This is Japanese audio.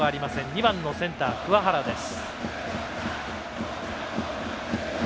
２番のセンター、桑原です。